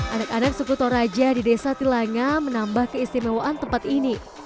anak anak suku toraja di desa tilanga menambah keistimewaan tempat ini